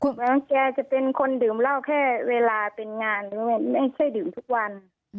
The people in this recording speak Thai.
แม้ว่าแกจะเป็นคนดื่มเหล้าแค่เวลาเป็นงานไม่ใช่ดื่มทุกวัน